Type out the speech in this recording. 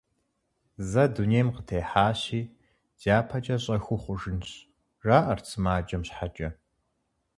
Зэ дунейм къытехьащи, дяпэкӀэ щӀэхыу хъужынщ, – жаӀэрт сымаджэм щхьэкӀэ.